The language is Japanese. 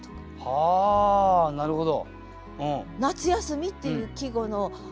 はあなるほど。